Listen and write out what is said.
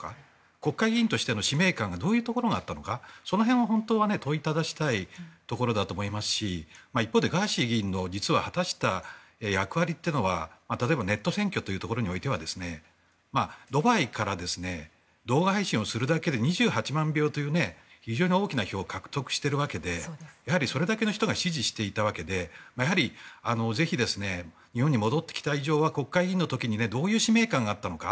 国会議員としての使命感がどういうところがあったのかその辺を本当は問いただしたいところだと思いますし一方で、ガーシー議員の果たした役割というのは例えば、ネット選挙というところにおいてはドバイから動画配信をするだけで２８万票という非常に大きな票を獲得したわけでそれだけの人が支持していたわけでぜひ日本に戻ってきた以上は国会議員の時にどういう使命感があったのか。